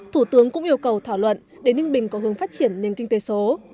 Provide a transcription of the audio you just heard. thủ tướng cũng yêu cầu thảo luận để ninh bình có hướng phát triển nền kinh tế số